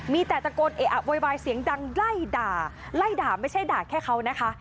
มีแต่ตะโกนเอะอะโวยวายเสียงดังไล่ด่าไล่ด่าไม่ใช่ด่าแค่เขานะคะ